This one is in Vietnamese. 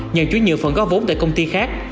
nhờ chú nhựa phần góp vốn tại công ty khác